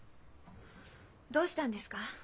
どうしたんですか？